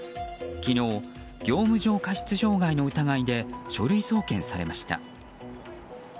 昨日、業務上過失傷害の疑いで書類送検されました。